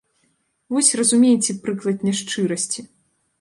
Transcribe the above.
Вось, разумееце, прыклад няшчырасці!